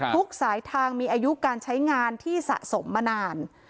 ทุกสายทางมีอายุการใช้งานที่สะสมมานาน